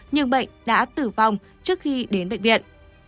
nhưng bệnh đã tử vong trước khi đến bệnh viện